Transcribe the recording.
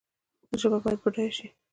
ژبه باید بډایه شي